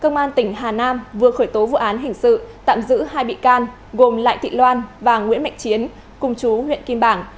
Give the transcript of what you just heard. công an tỉnh hà nam vừa khởi tố vụ án hình sự tạm giữ hai bị can gồm lại thị loan và nguyễn mạnh chiến cùng chú huyện kim bảng